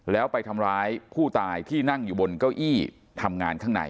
แล้วไปทำร้ายผู้ตายที่นั่งอยู่บนเก้าอี้ทำงานข้างใน